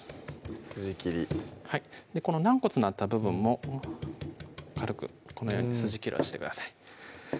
筋切りはいこの軟骨のあった部分も軽くこのように筋切りをしてください